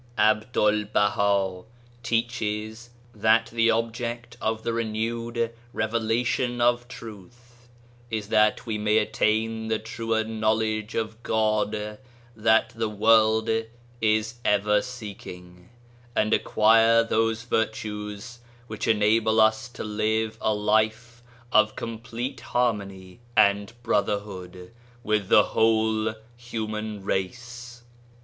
Abdul Baha teaches that the object of the re newed revelation of truth is that we may attain the truer knowledge of God that the world is ever seeking, and acquire those virtues which enable us to live a life of complete harmony and brotherhood with the whole human race.